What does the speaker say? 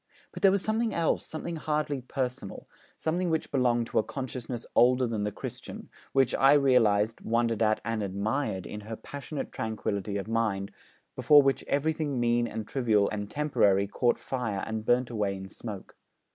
But there was something else, something hardly personal, something which belonged to a consciousness older than the Christian, which I realised, wondered at, and admired, in her passionate tranquillity of mind, before which everything mean and trivial and temporary caught fire and burnt away in smoke.